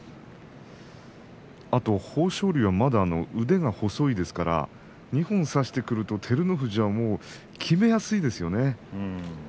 あと豊昇龍は腕が細いですから二本差してくると照ノ富士はきめやすいですよね。